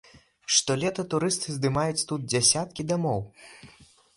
Штолета турысты здымаюць тут дзесяткі дамоў.